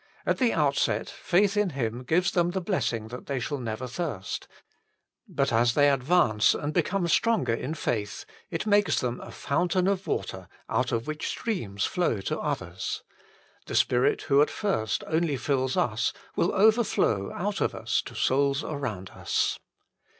At the outset, faith in Him gives them the blessing that they shall never thirst. But as they advance and become stronger in faith, it makes them a fountain of water out of which streams flow to others. The Spirit who at first only fills us will overflow out of us to souls around us.